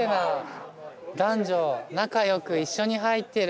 男女仲よく一緒に入ってる。